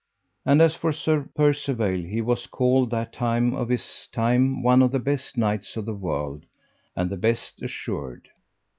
And as for Sir Percivale, he was called that time of his time one of the best knights of the world, and the best assured.